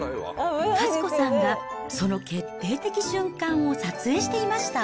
和子さんがその決定的瞬間を撮影していました。